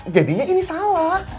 jadinya ini salah